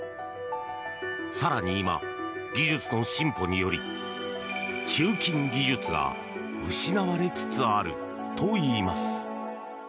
更に今、技術の進歩により鋳金技術が失われつつあるといいます。